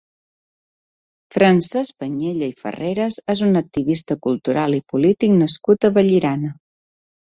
Francesc Panyella i Farreras és un activista cultural i polític nascut a Vallirana.